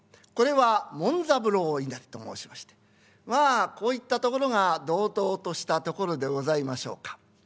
これは紋三郎稲荷と申しましてまあこういったところが同等としたところでございましょうか。